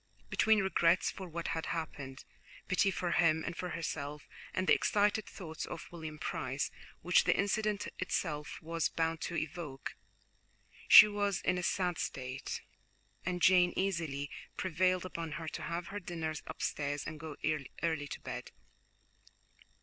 Between regrets for what had happened, pity for him and for herself, and the excited thoughts of William Price which the incident itself was bound to evoke, she was in a sad state, and Jane easily prevailed upon her to have her dinner upstairs and go early to bed.